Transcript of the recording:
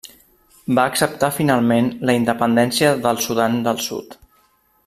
Va acceptar finalment la independència del Sudan del Sud.